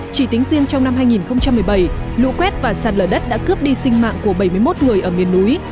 chỉ tính riêng trong năm hai nghìn một mươi bảy lũ quét và sạt lở đất đã cướp đi sinh mạng của bảy mươi một người ở miền núi